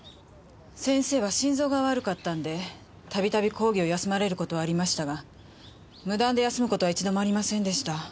先生は心臓が悪かったんでたびたび講義を休まれることはありましたが無断で休むことは一度もありませんでした。